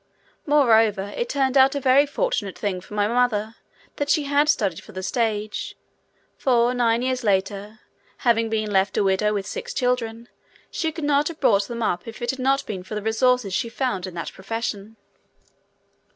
Moreover, it turned out a very fortunate thing for my mother that she had studied for the stage, for nine years later, having been left a widow with six children, she could not have brought them up if it had not been for the resources she found in that profession.